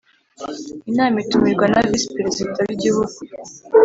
Inama itumirwa na visi Perezida wigihugu